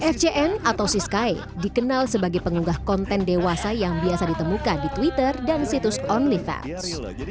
fcn atau siskae dikenal sebagai pengunggah konten dewasa yang biasa ditemukan di twitter dan situs onlyfans